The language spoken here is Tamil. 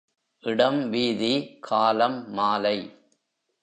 இடம் வீதி காலம் மாலை.